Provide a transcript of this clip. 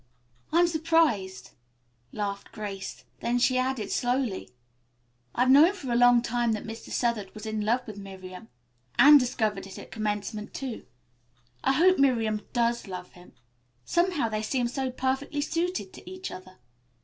"I'm surprised," laughed Grace; then she added slowly, "I've known for a long time that Mr. Southard was in love with Miriam. Anne discovered it at commencement, too. I hope Miriam does love him. Somehow they seem so perfectly suited to each other.